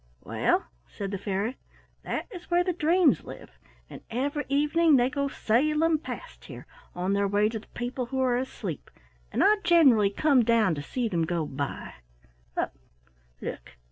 "Well," said the fairy, "that is where the dreams live, and every evening they go sailing past here, on their way to the people who are asleep, and I generally come down to see them go by. Look! look!